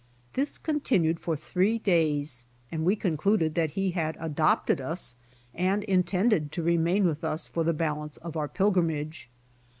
This continued for three days and we concluded that he had adopte<5 us and intended to remain with us for the balance of our pilgrimage.